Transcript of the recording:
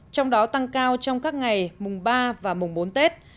trong đó tăng cao trong các ngày mùng ba và mùng bốn tết